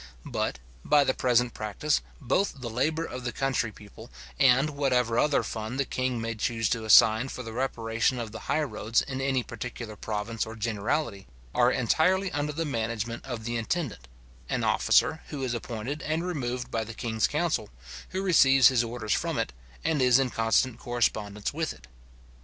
But, by the present practice, both the labour of the country people, and whatever other fund the king may choose to assign for the reparation of the high roads in any particular province or generality, are entirely under the management of the intendant; an officer who is appointed and removed by the king's council who receives his orders from it, and is in constant correspondence with it.